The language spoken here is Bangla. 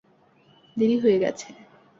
দেরী হয়ে গেছে।